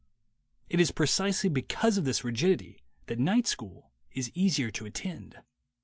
It is precisely because of this rigidity that night school is easier to attend.